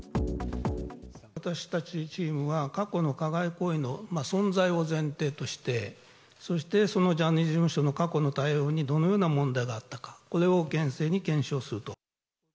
私たちチームは、過去の加害行為の存在を前提として、そして、そのジャニーズ事務所の過去の対応にどのような問題があったか、これを厳正に検証すると。